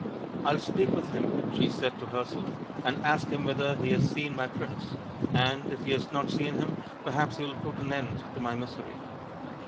" I'll speak with him," she said to herself, " and ask him whether he has seen my prince. And if he has not seen him, perhaps he will put an end to my misery."